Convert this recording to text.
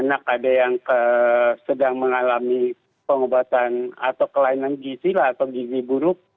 ada yang sedang mengalami pengobatan atau kelainan gizi lah atau gizi buruk